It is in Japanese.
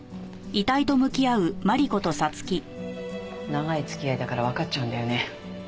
長い付き合いだからわかっちゃうんだよね。